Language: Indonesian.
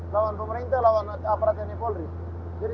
lawan pemerintah lawan aparat tni polri